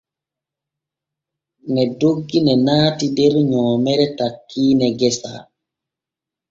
Ne doggi ne naati der nyoomere takkiine gesa.